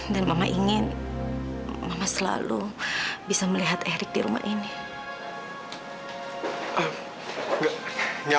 dan mama ingin mama selalu bisa melihat erik di rumahnya